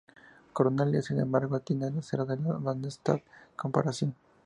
Cornelius, sin embargo, tiende a cerdas en el "Bandstand" comparación.